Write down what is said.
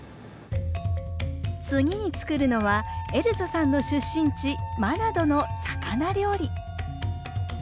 次に作るのはエルザさんの出身地マナドの魚料理。